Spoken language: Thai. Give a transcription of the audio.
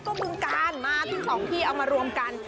ก็บึงกาลมาทั้งสองที่เอามารวมกัน